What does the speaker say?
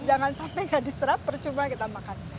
jangan sampai nggak diserap percuma kita makan